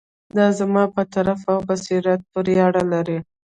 دا زما په ظرف او بصیرت پورې اړه لري.